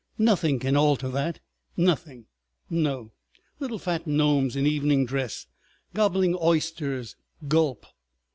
Nothing can alter that. Nothing. ... No! ... Little fat gnomes in evening dress—gobbling oysters. Gulp!"